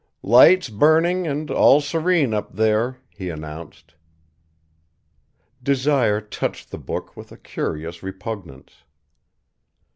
"Lights burning and all serene up there," he announced. Desire touched the book with a curious repugnance.